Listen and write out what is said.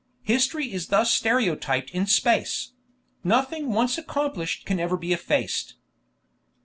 History is thus stereotyped in space; nothing once accomplished can ever be effaced."